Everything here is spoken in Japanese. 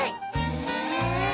へえ！